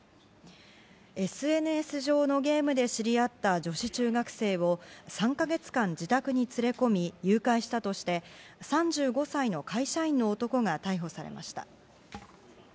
ＳＮＳ上のゲームで知り合った女子中学生を３か月間、自宅に連れ込み誘拐したとして、３５歳の会社員の男が逮捕されました。